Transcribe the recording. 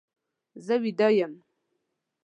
زه ویده یم.